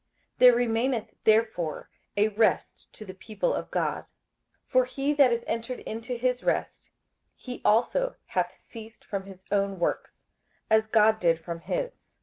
58:004:009 There remaineth therefore a rest to the people of God. 58:004:010 For he that is entered into his rest, he also hath ceased from his own works, as God did from his.